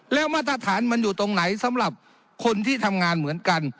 แล้วมาตรฐานมันอยู่ตรงไหนสำหรับคนที่ทำงานเหมือนกัน